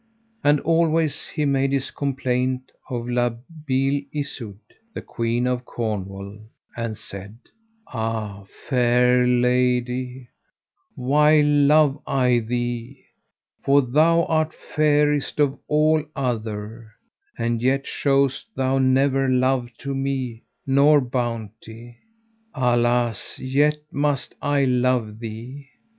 And always he made his complaint of La Beale Isoud, the Queen of Cornwall, and said: Ah, fair lady, why love I thee! for thou art fairest of all other, and yet showest thou never love to me, nor bounty. Alas, yet must I love thee.